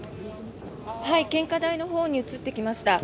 献花台のほうに移ってきました。